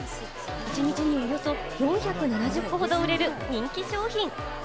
一日におよそ４７０個ほど売れる人気商品。